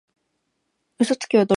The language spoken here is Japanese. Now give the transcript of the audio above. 嘘つきは泥棒のはじまり。